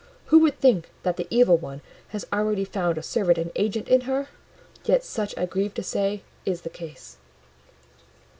Who would think that the Evil One had already found a servant and agent in her? Yet such, I grieve to say, is the case."